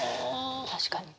確かに。